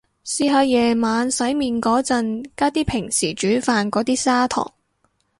試下夜晚洗面個陣加啲平時煮飯個啲砂糖